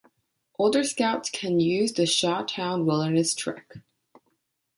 Older Scouts can use the Shawtown Wilderness Trek.